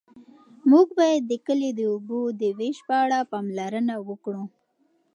موږ باید د کلي د اوبو د وېش په اړه پاملرنه وکړو.